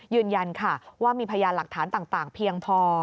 ยืนยันค่ะว่ามีพยานหลักฐานต่างเพียงพอ